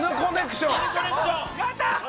やったー！